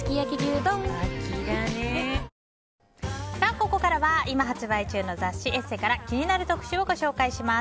ここからは今発売中の雑誌「ＥＳＳＥ」から気になる特集をご紹介します。